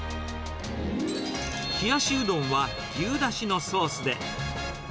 冷やしうどんは牛だしのソースで。